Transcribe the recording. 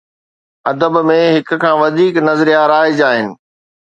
ادب ۾ هڪ کان وڌيڪ نظريا رائج آهن.